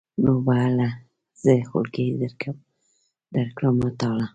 نو به هله زه خولګۍ درکړمه تاله.